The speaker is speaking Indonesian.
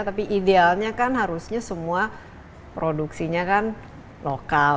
tapi idealnya kan harusnya semua produksinya kan lokal